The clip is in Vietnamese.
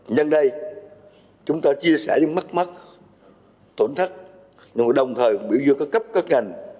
nhân đây chúng ta chia sẻ những mắc mắc tổn thất đồng thời biểu dương cấp cấp ngành